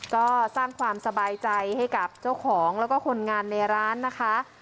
ก็สร้างความสบายใจให้กับเจ้าของแล้วก็คนงานในร้านนะคะ